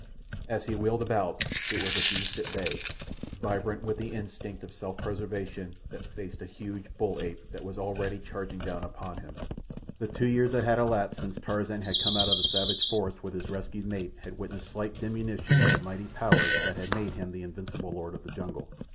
As he wheeled about, it was a beast at bay, vibrant with the instinct of self preservation, that faced a huge bull ape that was already charging down upon him. The two years that had elapsed since Tarzan had come out of the savage forest with his rescued mate had witnessed slight diminution of the mighty powers that had made him the invincible lord of the jungle.